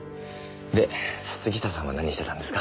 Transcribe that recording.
で杉下さんは何してたんですか？